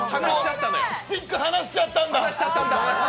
スティック離しちゃったんだ。